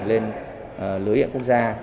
lên lưới điện quốc gia